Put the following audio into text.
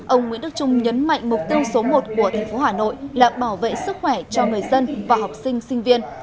ông nguyễn đức trung nhấn mạnh mục tiêu số một của thành phố hà nội là bảo vệ sức khỏe cho người dân và học sinh sinh viên